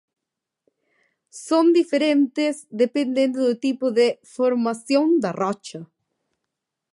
Son diferentes dependendo do tipo de formación da rocha.